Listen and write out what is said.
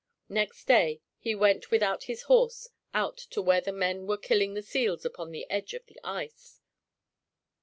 Next day he went without his horse out to where the men were killing the seals upon the edge of the ice.